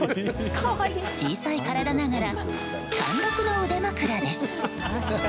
小さい体ながら貫録の腕枕です。